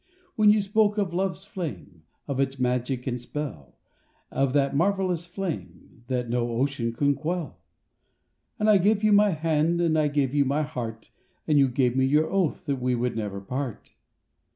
When you spoke of love's flame, Of its magic and spell, Of that marvellous flame That no ocean can quell; And I gave you my hand, And I gave you my heart, And you gave me your oath That we never would part.